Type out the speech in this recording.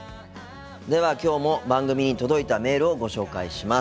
ではきょうも番組に届いたメールをご紹介します。